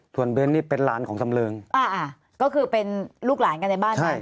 ส่วนเบ้นนี่เป็นหลานของสำเริงอ่าก็คือเป็นลูกหลานกันในบ้านเลย